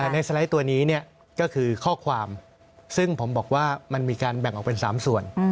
ในสไลด์ตัวนี้ก็คือข้อความซึ่งผมบอกว่ามันมีการแบ่งออกเป็น๓ส่วน